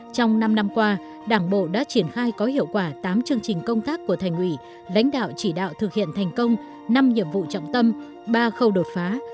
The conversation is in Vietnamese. trong năm năm qua đảng bộ đã triển khai có hiệu quả tám chương trình công tác của thành ủy lãnh đạo chỉ đạo thực hiện thành công năm nhiệm vụ trọng tâm ba khâu đột phá